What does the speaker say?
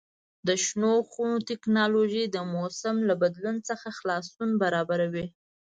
د شنو خونو تکنالوژي د موسم له بدلون څخه خلاصون برابروي.